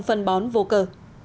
phân bón vô cơ